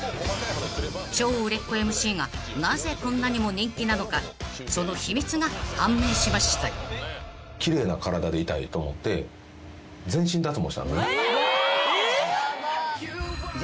［超売れっ子ＭＣがなぜこんなにも人気なのかその秘密が判明しました］え！